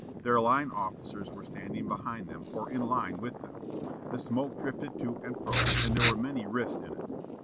Their line officers were standing behind them or in line with them. The smoke drifted to and fro, and there were many rifts in it....